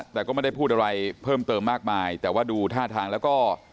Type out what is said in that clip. แต่ก็ไม่ได้พูดอะไรเพิ่มเติมมากมายแต่ว่าดูท่าทางแล้วก็